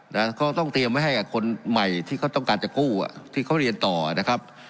นะเขาต้องเตรียมไว้ให้กับคนใหม่ที่เขาต้องการจะกู้อ่ะที่เขาเรียนต่อนะครับ